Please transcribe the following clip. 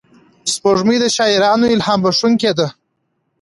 سپوږمۍ د شاعرانو الهام بښونکې ده